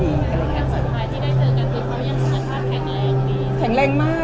สัญลักษณ์ที่ได้เจอกันคือเพราะมีการความขัดแข็งอะไรอย่างนี้